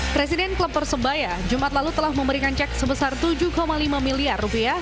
presiden klub persebaya jumat lalu telah memberikan cek sebesar tujuh lima miliar rupiah